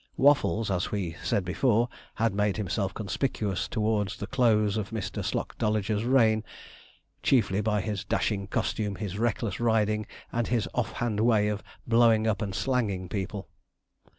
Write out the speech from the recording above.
Waffles, as we said before, had made himself conspicuous towards the close of Mr. Slocdolager's reign, chiefly by his dashing costume, his reckless riding, and his off hand way of blowing up and slanging people.